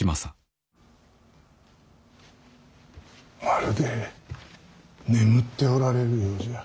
まるで眠っておられるようじゃ。